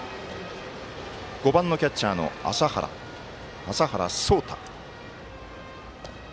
５番のキャッチャーの麻原草太。